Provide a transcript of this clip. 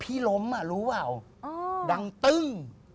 เขาบอกพี่ล้มอะรู้เปล่าดังตึ้ง